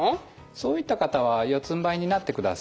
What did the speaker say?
そういった方は四つんばいになってください。